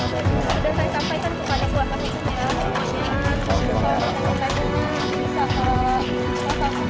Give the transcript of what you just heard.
sudah saya jelaskan kepada orang lain